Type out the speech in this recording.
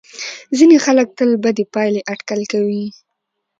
ځینې خلک تل بدې پایلې اټکل کوي.